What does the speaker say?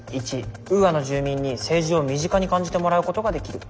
１ウーアの住民に政治を身近に感じてもらうことができる。